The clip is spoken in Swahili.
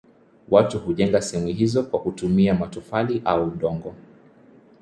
Watu hujenga sehemu hizo kwa kutumia matofali au udongo.